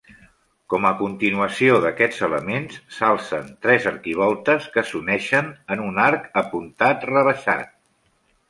Com a continuació d'aquests elements s'alcen tres arquivoltes que s'uneixen en un arc apuntat rebaixat.